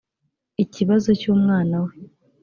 ikibazo cy’umwana we